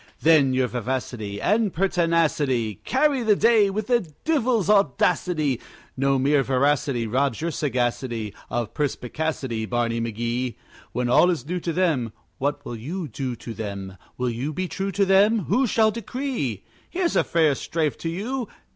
Then your vivacity and pertinacity Carry the day with the divil's audacity; No mere veracity robs your sagacity Of perspicacity, Barney McGee. When all is new to them, What will you do to them? Will you be true to them? Who shall decree? Here's a fair strife to you!